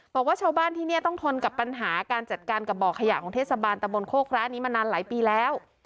บอกว่าชาวบ้านที่นี่ต้องทนกับปัญหาการจัดการกับบ่อขยะของเทศบาลตะบนโคกพระนี้มานานหลายปีแล้ว